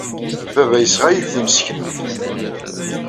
Baba yesɣa-iyi-d timseknewt.